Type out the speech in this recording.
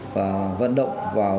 và vận động vào